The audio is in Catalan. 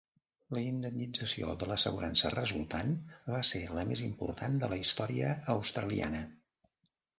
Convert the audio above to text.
La indemnització de l'assegurança resultant va ser la més important de la història australiana.